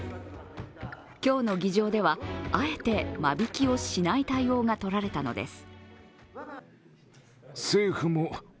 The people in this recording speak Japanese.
今日の議場では、あえて間引きをしない対応がとられたのです。